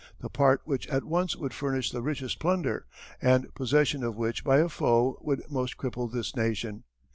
The part which at once would furnish the richest plunder, and possession of which by a foe would most cripple this nation.